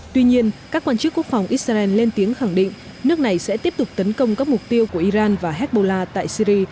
tuy nhiên các quan chức quốc phòng israel lên tiếng khẳng định nước này sẽ tiếp tục tấn công các mục tiêu của iran và hezbollah tại syri